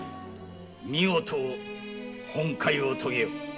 見事本懐をとげよ。